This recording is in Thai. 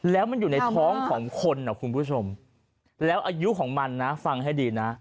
แล้วมันอยู่ในท้องของคนแล้วอายุของมันฟังให้ดีนะ